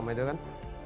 enam itu kan